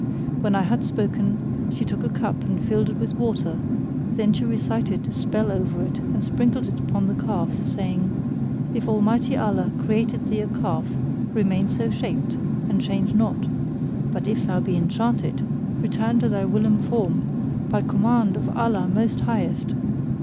When I had spoken, she took a cup and filled it with water: then she recited a spell over it and sprinkled it upon the calf, saying, "If Almighty Allah created thee a calf, remain so shaped, and change not; but if thou be enchanted, return to thy whilom form, by command of Allah Most Highest!"